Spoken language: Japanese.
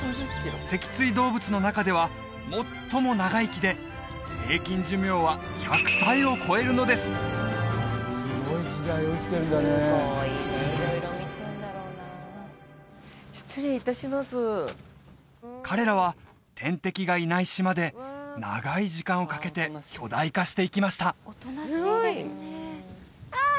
脊椎動物の中では最も長生きで平均寿命は１００歳を超えるのですすごいね彼らは天敵がいない島で長い時間をかけて巨大化していきましたあ！